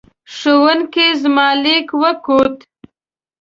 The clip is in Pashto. ښوونکې زما لیک وکوت.